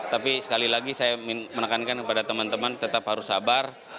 tapi sekali lagi saya menekankan kepada teman teman tetap harus sabar